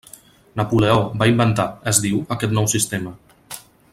Napoleó va inventar, es diu, aquest nou sistema.